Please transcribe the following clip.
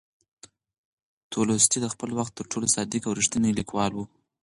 تولستوی د خپل وخت تر ټولو صادق او ریښتینی لیکوال و.